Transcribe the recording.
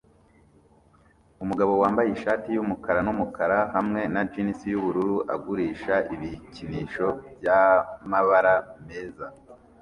Umugabo wambaye ishati yumukara numukara hamwe na jans yubururu agurisha ibikinisho byamabara meza